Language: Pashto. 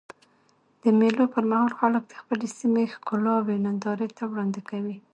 د مېلو پر مهال خلک د خپلي سیمي ښکلاوي نندارې ته وړاندي کوي.